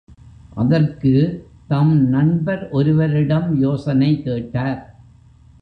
அதற்கு தம் நண்பர் ஒருவரிடம் யோசனை கேட்டார்.